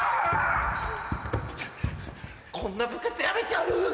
こんな部活やめてやる！